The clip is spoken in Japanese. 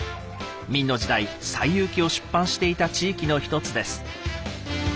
明の時代「西遊記」を出版していた地域の一つです。